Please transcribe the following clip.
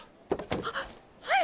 ははい！